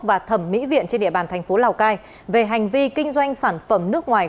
và thẩm mỹ viện trên địa bàn thành phố lào cai về hành vi kinh doanh sản phẩm nước ngoài